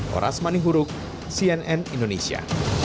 horas mani hurug cnn indonesia